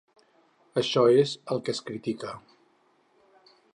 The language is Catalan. Això és el que es critica.